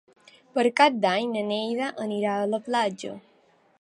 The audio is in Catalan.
Per Cap d'Any na Neida anirà a la platja.